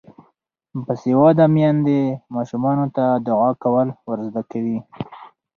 باسواده میندې ماشومانو ته دعا کول ور زده کوي.